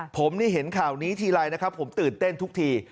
ผมนี่เห็นข่าวนี้ทีไรนะครับผมตื่นเต้นทุกที